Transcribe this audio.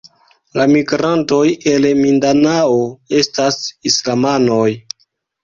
La migrantoj el Mindanao estas islamanoj.